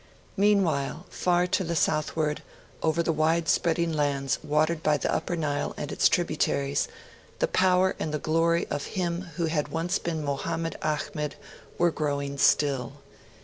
Meanwhile, far to the southward, over the wide spreading lands watered by the Upper Nile and its tributaries, the power and the glory of him who had once been Mohammed Ahmed were growing still.